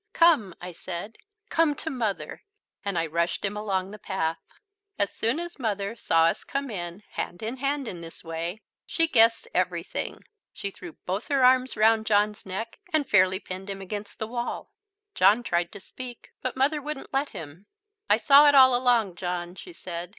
"Come," I said, "come to Mother," and I rushed him along the path. As soon as Mother saw us come in hand in hand in this way, she guessed everything. She threw both her arms round John's neck and fairly pinned him against the wall. John tried to speak, but Mother wouldn't let him. "I saw it all along, John," she said.